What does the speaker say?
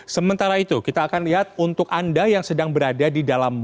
sementara itu kita akan lihat untuk anda yang sedang berada di dalam